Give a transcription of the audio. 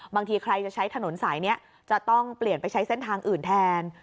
บางทีใครจะใช้ถนนสายนี้จะต้องเปลี่ยนไปใช้เส้นทางอื่นแทน